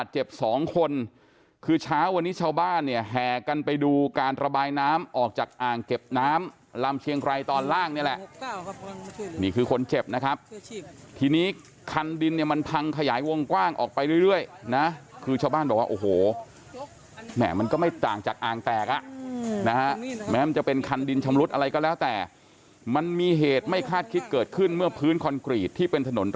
เจ็บสองคนคือเช้าวันนี้ชาวบ้านเนี่ยแห่กันไปดูการระบายน้ำออกจากอ่างเก็บน้ำลำเชียงไกรตอนล่างนี่แหละนี่คือคนเจ็บนะครับทีนี้คันดินเนี่ยมันพังขยายวงกว้างออกไปเรื่อยนะคือชาวบ้านบอกว่าโอ้โหแหม่มันก็ไม่ต่างจากอ่างแตกอ่ะนะฮะแม้มันจะเป็นคันดินชำรุดอะไรก็แล้วแต่มันมีเหตุไม่คาดคิดเกิดขึ้นเมื่อพื้นคอนกรีตที่เป็นถนน